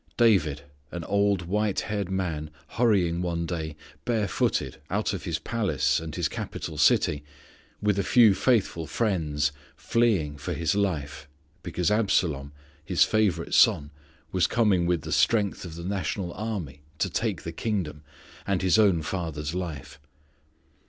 David, an old white haired man, hurrying one day, barefooted, out of his palace, and his capital city, with a few faithful friends, fleeing for his life, because Absalom his favourite son was coming with the strength of the national army to take the kingdom, and his own father's life.